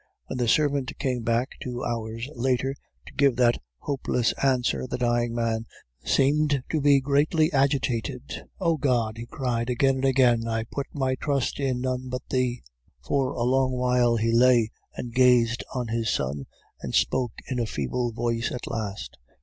When the servant came back two hours later to give that hopeless answer, the dying man seemed to be greatly agitated. "'Oh God!' he cried again and again, 'I put my trust in none but Thee.' "For a long while he lay and gazed at his son, and spoke in a feeble voice at last.